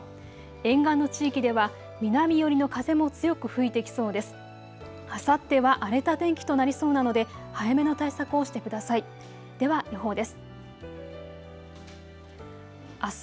沿岸の地域では南寄りの風も強く吹いてきそうです。